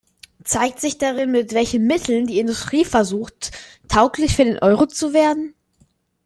Zeigt sich darin, mit welchen Mitteln die Industrie versucht, tauglich für den Euro zu werden?